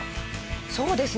そうですね。